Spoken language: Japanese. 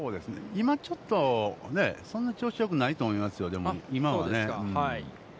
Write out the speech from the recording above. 今ちょっと、そんなに調子よくないと思いますよ、今はね。